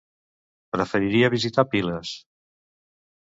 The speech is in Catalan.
Preferiria visitar Piles.